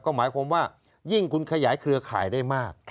หมายความว่ายิ่งคุณขยายเครือข่ายได้มาก